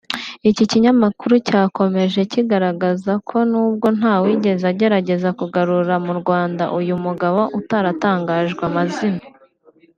Iki kinyamakuru cyakomeje kigaragaza ko nubwo ntawigeze agerageza kugarura mu Rwanda uyu mugabo utaratangajwe amazina